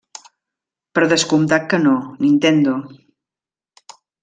Per descomptat que no, Nintendo.